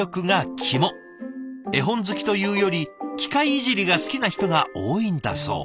絵本好きというより機械いじりが好きな人が多いんだそう。